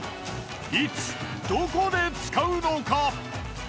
いつどこで使うのか？